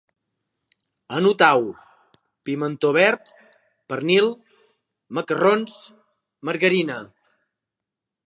Anotau: pimentó verd, pernil, macarrons, margarina